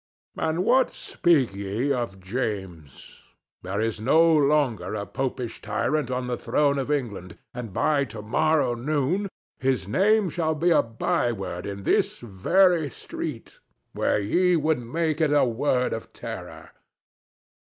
And what speak ye of James? There is no longer a popish tyrant on the throne of England, and by to morrow noon his name shall be a by word in this very street, where ye would make it a word of terror.